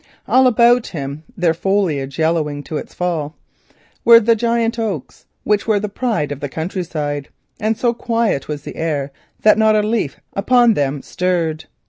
All about him, their foliage yellowing to its fall, rose the giant oaks, which were the pride of the country side, and so quiet was the air that not a leaf upon them stirred.